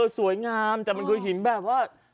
สวยงามแต่มันคือหินแบบว่า